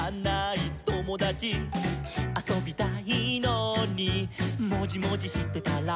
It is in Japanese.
「あそびたいのにもじもじしてたら」